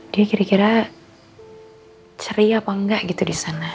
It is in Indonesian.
dia kira kira ceria apa nggak gitu di sana